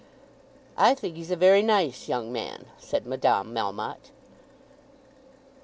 "I think he's a very nice young man," said Madame Melmotte.